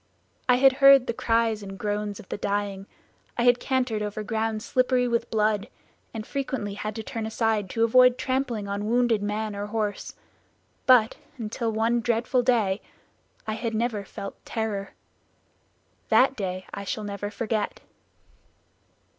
I had heard the cries and groans of the dying, I had cantered over ground slippery with blood, and frequently had to turn aside to avoid trampling on wounded man or horse, but, until one dreadful day, I had never felt terror; that day I shall never forget."